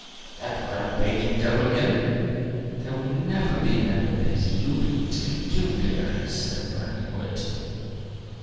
that rampaging devil again! there will never be an end of his loping till 'killdeer' has said a friendly word to him."